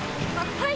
はい！